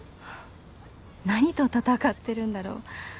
何と闘っているんだろう？